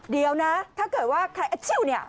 เดี๋ยวนะถ้าเกิดว่าใครอาชีพนี่